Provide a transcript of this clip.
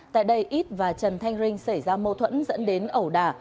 tại đây ít và trần thanh rinh xảy ra mâu thuẫn dẫn đến ẩu đà